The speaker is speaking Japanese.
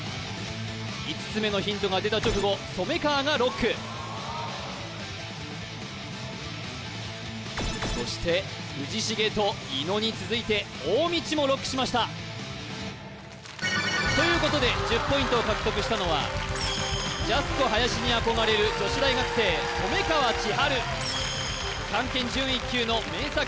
５つ目のヒントが出た直後染川がロックそして藤重と伊野に続いて大道もロックしましたということで１０ポイントを獲得したのはジャスコ林に憧れる女子大学生染川千晴漢検準１級のＭＥＮＳＡ